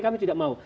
kami tidak mau